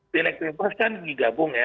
pilek pilpres kan digabung ya